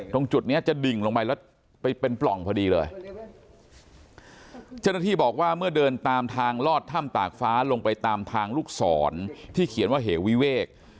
ตรงจุดเนี้ยจะดิ่งลงไปแล้วไปเป็นปล่องพอดีเลยเจ้าหน้าที่บอกว่าเมื่อเดินตามทางลอดถ้ำตากฟ้าลงไปตามทางลูกศรที่เขียนว่าเหวิเวก